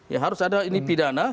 ya harus ada ini pidana